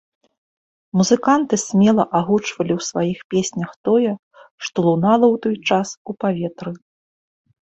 Музыканты смела агучвалі ў сваіх песнях тое, што лунала ў той час у паветры.